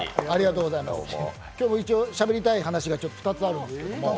今日も一応、しゃべりたい話が２つあるんで。